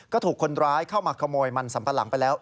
ก็ถูกคนร้ายเข้ามาขโมยมันสัมปะหลังไปแล้ว